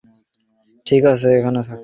ঠিক আছে, এখানে থাক।